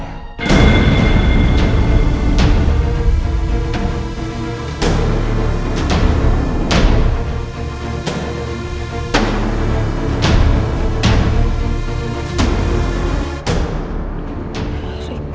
ya jangan ikut ku